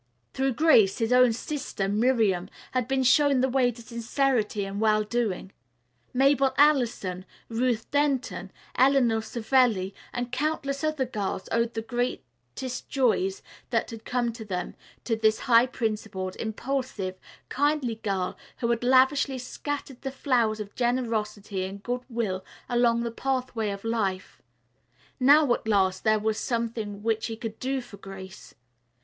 Through Grace, his own sister, Miriam had been shown the way to sincerity and well doing. Mabel Allison, Ruth Denton, Eleanor Savelli and countless other girls owed the greatest joys that had come to them to this high principled, impulsive, kindly girl who had lavishly scattered the flowers of generosity and good will along the pathway of life. Now, at last, there was something which he could do for Grace.